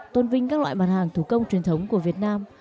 tôn vinh các loại mặt hàng thủ công truyền thống của việt nam